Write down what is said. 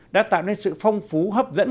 đã tạo nên sự phong phú hấp dẫn